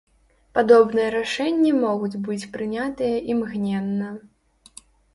Падобныя рашэнні могуць быць прынятыя імгненна.